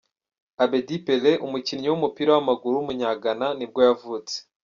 Abédi Pelé, umukinnyi w’umupira w’amaguru w’umunyagana nibwo yavutse.